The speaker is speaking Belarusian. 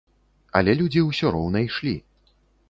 Але людзі ўсё роўна ішлі.